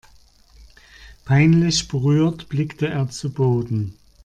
Peinlich berührt blickte er zu Boden.